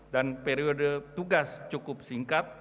dan periode tugas cukup singkat